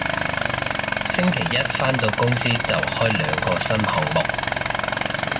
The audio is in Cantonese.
星期一返到公司就開兩個新項目